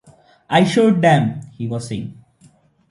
"I showed them," he was saying.